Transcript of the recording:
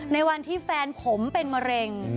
ในวันที่แฟนผมเป็นมะเร็ง